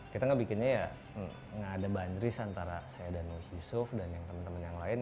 kita gak bikinnya ya gak ada bandris antara saya dan yusuf dan teman teman yang lain